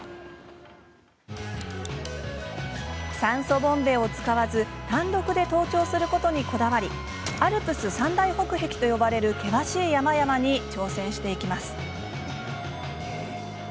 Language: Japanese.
酸素ボンベを使わず単独で登頂することにこだわりアルプス三大北壁と呼ばれる険しい山々に挑戦していきます。